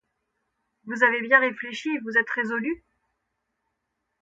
Vous avez bien réfléchi, vous êtes résolu?